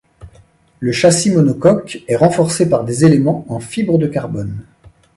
Le châssis monocoque est renforcé par des éléments en fibre de carbone.